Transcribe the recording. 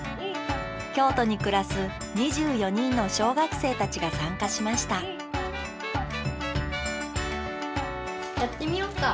京都に暮らす２４人の小学生たちが参加しましたやってみようか。